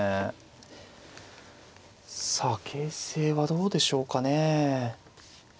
さあ形勢はどうでしょうかね。